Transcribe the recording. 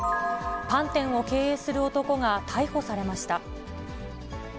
パン店を経営する男が逮捕されました。